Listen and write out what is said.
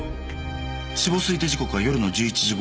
死亡推定時刻は夜の１１時頃。